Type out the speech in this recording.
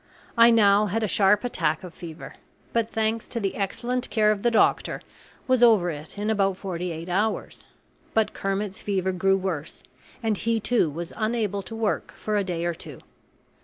I now had a sharp attack of fever, but thanks to the excellent care of the doctor, was over it in about forty eight hours; but Kermit's fever grew worse and he too was unable to work for a day or two.